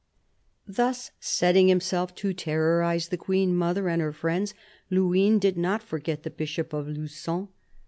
Thus setting himself to terrorise the Queen mother and her friends, Luynes did not forget the Bishop of Lugon.